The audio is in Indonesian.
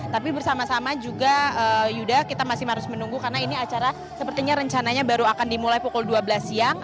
tapi bersama sama juga yuda kita masih harus menunggu karena ini acara sepertinya rencananya baru akan dimulai pukul dua belas siang